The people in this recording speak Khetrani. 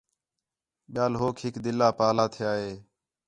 ٻِیال ہوک ہِک دِلّہ پاہلا تِھیا ہِے